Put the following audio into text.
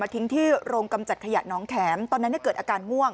ทิ้งที่โรงกำจัดขยะน้องแข็มตอนนั้นเกิดอาการง่วง